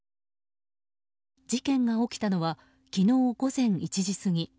事件が起きたのは昨日午前１時過ぎ。